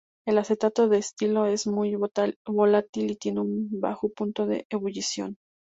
El acetato de etilo es muy volátil y tiene un bajo punto de ebullición.